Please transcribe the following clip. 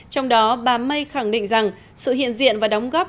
trong đó bà may khẳng định rằng sự hiện diện và đóng góp